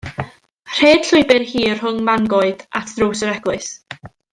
Rhed llwybr hir rhwng mangoed at ddrws yr eglwys.